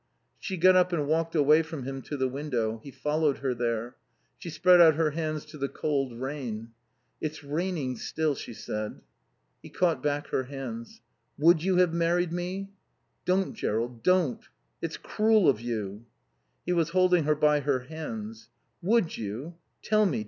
She got up and walked away from him to the window. He followed her there. She spread out her hands to the cold rain. "It's raining still," she said. He caught back her hands. "Would you have married me?" "Don't, Jerrold, don't. It's cruel of you." He was holding her by her hands. "Would you? Tell me.